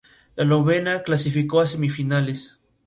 La novena clasificó a semifinales.